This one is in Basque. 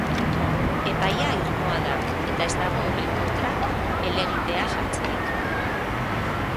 Epaia irmoa da, eta ez dago horren kontra helegitea jartzerik.